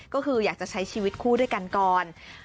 ก็คืออยากจะใช้ชีวิตคู่ด้วยกันก่อน